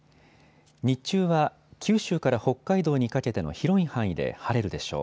日中は九州から北海道にかけての広い範囲で晴れるでしょう。